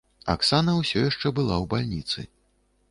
Аксана ўсё яшчэ была ў бальніцы.